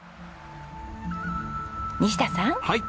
西田さん